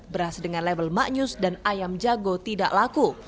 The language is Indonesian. beras dengan label maknyus dan ayam jago tidak laku